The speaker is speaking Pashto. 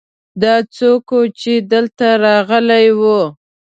دا څوک ؤ چې دلته راغلی ؤ